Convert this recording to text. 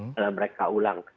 dan mereka ulang